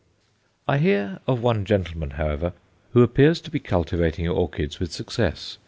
I hear of one gentleman, however, who appears to be cultivating orchids with success.